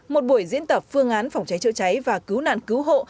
một buổi diễn tập phương án phòng cháy chữa cháy và cứu nạn cứu hộ